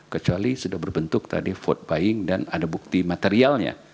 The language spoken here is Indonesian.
kecuali sudah berbentuk tadi vote buying dan ada bukti materialnya